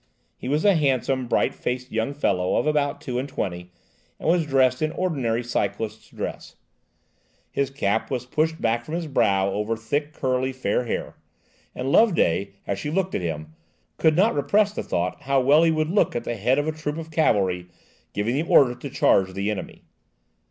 He was a handsome, bright faced young fellow of about two and twenty, and was dressed in ordinary cyclists' dress; his cap was pushed back from his brow over thick, curly, fair hair, and Loveday, as she looked at him, could not repress the thought how well he would look at the head of a troop of cavalry, giving the order to charge the enemy.